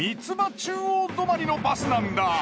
中央止まりのバスなんだ。